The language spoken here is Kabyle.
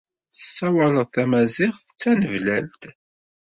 Tessawaled tamaziɣt d tanablalt.